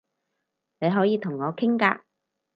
你可以同我傾㗎